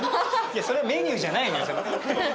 それメニューじゃないのよ。